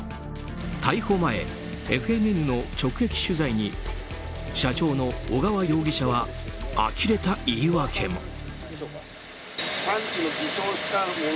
逮捕前、ＦＮＮの直撃取材に社長の小川容疑者はあきれた言い訳も。